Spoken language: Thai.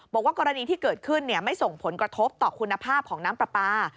บอกว่ากรณีที่เกิดขึ้นไม่ส่งผลกระทบต่อคุณภาพของน้ำปลาปลา